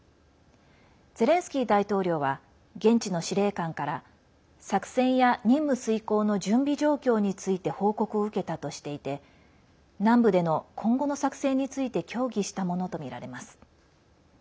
ゼレンスキー大統領は現地の司令官から作戦や任務遂行の準備状況について報告を受けたとしていて南部での今後の作戦について協議したものとみられます。